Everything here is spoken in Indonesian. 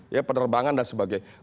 ya penerbangan dan sebagainya